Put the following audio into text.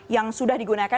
yang sudah digunakan